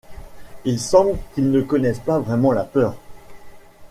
Il semble qu'ils ne connaissent pas vraiment la peur.